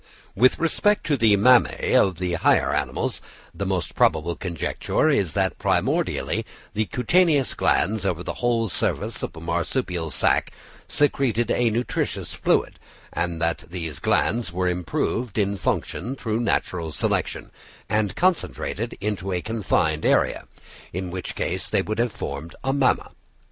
With respect to the mammæ of the higher animals, the most probable conjecture is that primordially the cutaneous glands over the whole surface of a marsupial sack secreted a nutritious fluid; and that these glands were improved in function through natural selection, and concentrated into a confined area, in which case they would have formed a mamma.